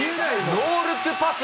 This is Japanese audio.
ノールックパス。